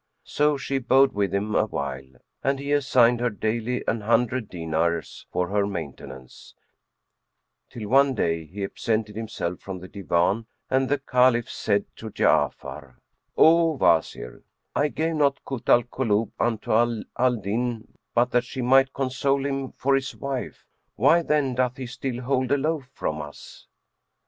So she abode with him awhile and he assigned her daily an hundred dinars for her maintenance; till, one day, he absented himself from the Divan and the Caliph said to Ja'afar, "O Watir, I gave not Kut al Kulub unto Ala al Din but that she might console him for his wife; why, then, doth he still hold aloof from us?"